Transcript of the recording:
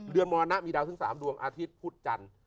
มรณะมีดาวถึง๓ดวงอาทิตย์พุธจันทร์